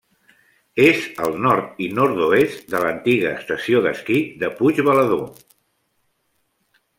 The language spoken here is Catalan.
És al nord i nord-oest de l'antiga estació d'esquí de Puigbalador.